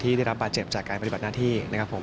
ได้รับบาดเจ็บจากการปฏิบัติหน้าที่นะครับผม